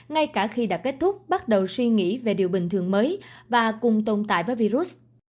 ngay cả khi đã kết thúc bắt đầu suy nghĩ về điều bình thường mới và cùng tồn tại với virus